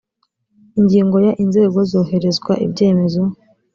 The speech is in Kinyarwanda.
ingingo ya inzego zohererezwa ibyemezo